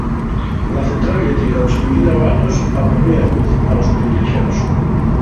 La central llétrica construyida va años apurría lluz a los privilexaos.